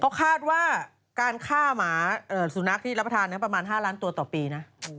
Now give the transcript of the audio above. เขาคาดว่าการฆ่าหมาสุนัขที่รับประทานประมาณ๕ล้านตัวต่อปีนะ